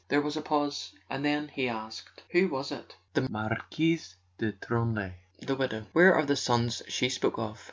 There was a pause, and then he asked: "Who was it?" "The Marquise de Tranlay—the widow." "Where are the sons she spoke of?"